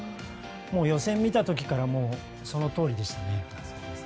予選見た時からそのとおりでしたね。